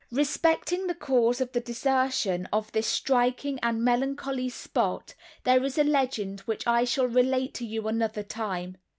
Respecting the cause of the desertion of this striking and melancholy spot, there is a legend which I shall relate to you another time.